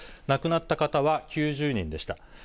亡くなった方は９０人でした。